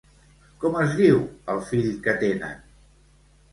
Com es diu el fill que tenen?